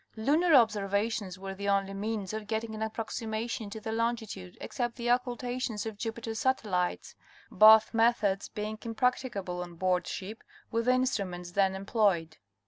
Lunar observations were the only means of getting an approximation to the longitude except the occultations of Jupiter's satellites, both methods being impracticable on board ship, with the instruments then employed.